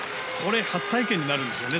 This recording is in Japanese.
初体験になるんですよね